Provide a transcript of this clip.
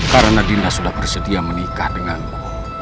karena dinda sudah bersedia menikah denganku